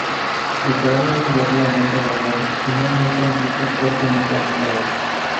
El cráneo es relativamente alargado y no muestra un pico fuertemente anexado.